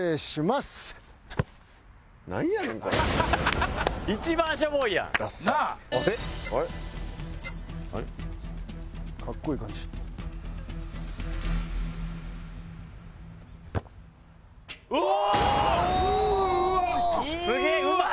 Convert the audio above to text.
すげえうまい！